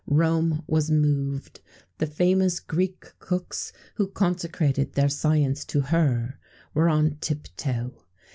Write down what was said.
Rome was moved; the famous Greek cooks, who consecrated their science to her, were on tip toe.